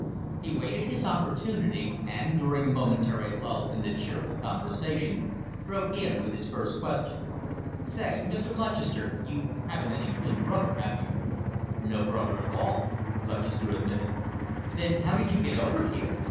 He waited his opportunity, and, during a momentary lull in the cheerful conversation, broke in with his first question. "Say, Mr. Lutchester, you haven't any twin brother, have you?" "No brother at all," Lutchester admitted. "Then, how did you get over here?